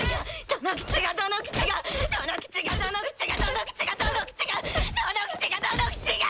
どの口がどの口がどの口がどの口がどの口がどの口がどの口がどの口が！